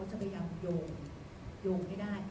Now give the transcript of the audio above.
จะพยายามโยงให้ได้